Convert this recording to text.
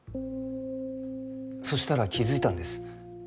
そしたら気づいたんです。